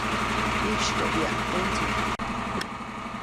ʼYistyoʼbyaʼuŋ tendsuŋ.